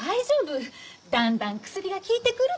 だんだん薬が効いてくるから。